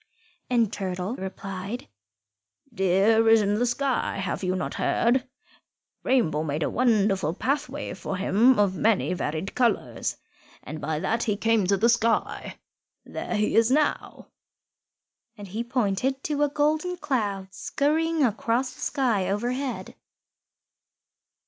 And Turtle replied, "Deer is in the sky. Have you not heard? Rainbow made a wonderful pathway for him of many varied colours, and by that he came to the sky. There he is now," and he pointed to a golden cloud scurrying across the sky overhead.